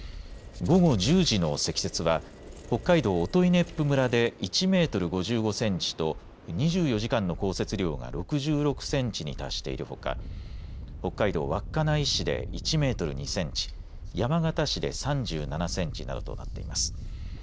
午後１０時の積雪は北海道音威子府村で１メートル５５センチと２４時間の降雪量が６６センチに達しているほか北海道稚内市で１メートル２センチ山形市で３７センチなどとなっています。